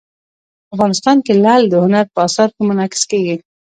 افغانستان کې لعل د هنر په اثار کې منعکس کېږي.